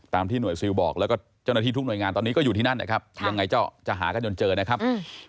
ที่หน่วยซิลบอกแล้วก็เจ้าหน้าที่ทุกหน่วยงานตอนนี้ก็อยู่ที่นั่นนะครับยังไงก็จะหากันจนเจอนะครับอืม